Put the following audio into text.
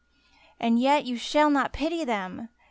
And yet you shall not pity them